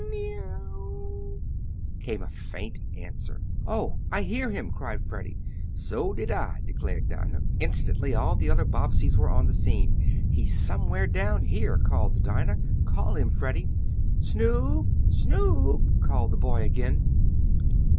"Me ow," came a faint answer. "Oh, I heard him!" cried Freddie. "So did I!" declared Dinah. Instantly all the other Bobbseys were on the scene. "He's somewhere down here," said Dinah. "Call him, Freddie!" "Snoop! Snoop!" called the boy again.